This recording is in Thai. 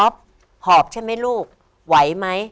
หอบใช่ไหมลูกไหวไหม